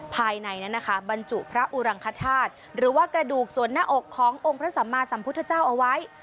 ภายในนั้นนะคะบรรจุพระอุรังคธาตุหรือว่ากระดูกส่วนหน้าอกขององค์พระสัมมาสัมพุทธเจ้าเอาไว้